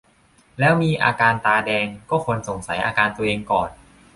แล้วมีอาการตาแดง ก็ควรสงสัยอาการตัวเองก่อน